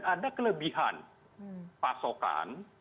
ada kelebihan pasokan